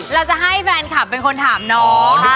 เราจะให้แฟนคลับเป็นคนถามน้อง